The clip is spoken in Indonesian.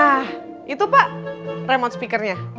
nah itu pak remote speakernya